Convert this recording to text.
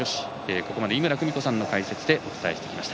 ここまで井村久美子さんの解説でお伝えしてきました。